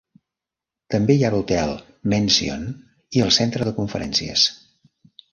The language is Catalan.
També hi ha l'Hotel Mansion i el Centre de Conferències.